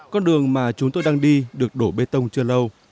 con đường mà chúng tôi đang đi được đổ bê tông chưa lâu